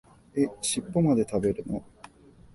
え、しっぽまで食べるの？